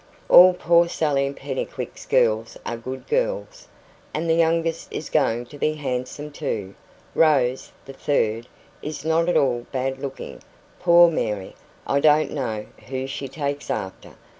All poor Sally Pennycuick's girls are good girls, and the youngest is going to be handsome too. Rose, the third, is not at all bad looking; poor Mary I don't know who she takes after.